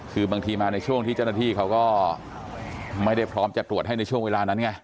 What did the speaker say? คือบางทีมาในช่วงที่เจ้าหน้าที่เขาก็ไม่ได้พร้อมจะตรวจให้ในช่วงเวลานั้นไง